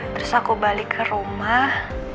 terus aku balik ke rumah